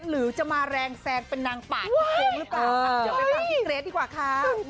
หรือจะมาแรงแซ่งเป็นนางปากทักตรงรึเปล่า